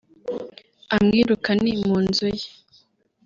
amwirukane mu nzu ye